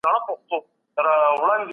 ظالمان د جهنم په اور کي وسوځول سي.